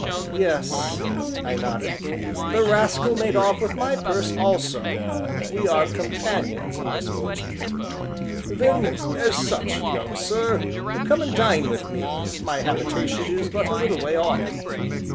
"Yes," I nodded, "the rascal made off with my purse also; we are companions in misfortune." "Then as such, young sir, come and dine with me, my habitation is but a little way off."